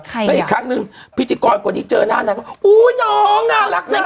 ใครอีกครั้งหนึ่งพิธีกรคนที่เจอหน้านางอู้ยน้องน่ารักน่ารัก